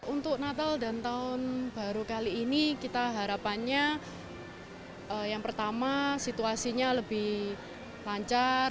untuk natal dan tahun baru kali ini kita harapannya yang pertama situasinya lebih lancar